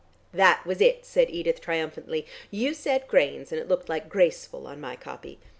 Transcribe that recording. "That was it!" said Edith triumphantly. "You said 'grains,' and it looked like 'graceful' on my copy.